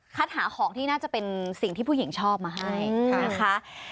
หาของที่น่าจะเป็นสิ่งที่ผู้หญิงชอบมาให้นะคะ